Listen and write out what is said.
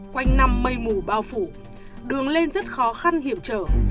quanh năm mây mù bao phủ đường lên rất khó khăn hiểm trở